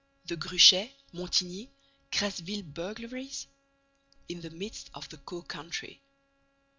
The Gruchet, Montigny, Crasville burglaries? In the midst of the Caux country.